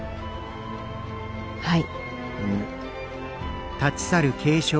はい。